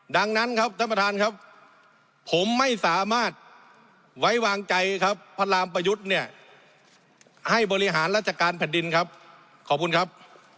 ดังนั้นครับท่านประธานครับผมไม่สามารถไว้วางใจครับพระรามประยุทธ์เนี่ยให้บริหารราชการแผ่นดินครับขอบคุณครับ